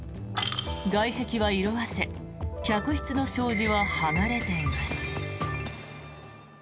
外壁は色あせ客室の障子は剥がれています。